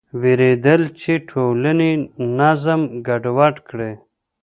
وېرېدل چې ټولنې نظم ګډوډ کړي.